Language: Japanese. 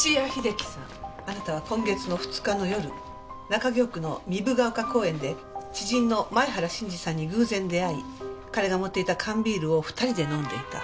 中京区の壬生ヶ丘公園で知人の前原信二さんに偶然出会い彼が持っていた缶ビールを２人で飲んでいた。